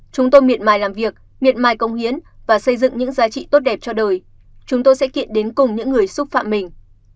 chúng tôi miệt mài làm việc miệt mài công hiến và xây dựng những giá trị tốt đẹp cho đời chúng tôi sẽ kiện đến cùng những người xúc phạm mình